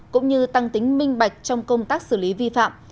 cũng như tăng tính minh bạch trong công tác xử lý vi phạm